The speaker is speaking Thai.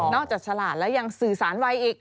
จากฉลาดแล้วยังสื่อสารไวอีก